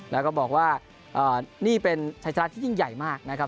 แล้วก็บอกว่านี่เป็นชัยชนะที่ยิ่งใหญ่มากนะครับ